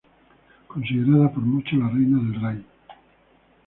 Considerada por muchos la reina del Rai.